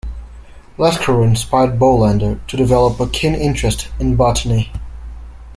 Lesquereux inspired Bolander to develop a keen interest in botany.